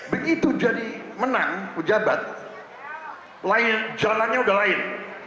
begitu jadi menang pejabat jalannya udah lain